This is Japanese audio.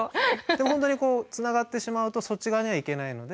本当にこうつながってしまうとそっち側には行けないので。